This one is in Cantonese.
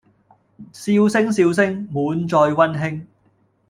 笑聲笑聲，滿載溫馨